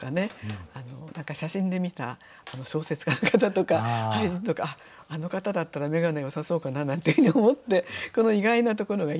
写真で見た小説家の方とか俳人とかあの方だったら眼鏡よさそうかななんていうふうに思ってこの意外なところがいいと思いました。